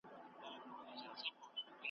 که منلې شل کلنه مي سزا وای `